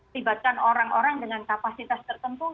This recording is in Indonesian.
tibakan orang orang dengan kapasitas tertentu